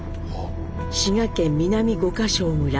滋賀県南五個荘村